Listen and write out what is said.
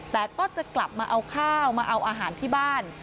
แต่ก็จะกลับมาเอาข้าวมาเอาอาหารที่บ้าน